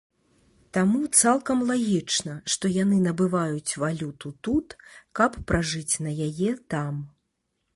Таму цалкам лагічна, што яны набываюць валюту тут, каб пражыць на яе там.